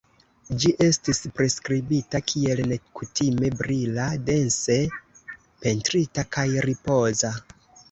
Ĝi estis priskribita kiel "nekutime brila, dense pentrita, kaj ripoza".